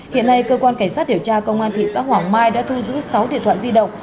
hiện nay cơ quan cảnh sát điều tra công an thị xã hoàng mai đã thu giữ sáu điện thoại di động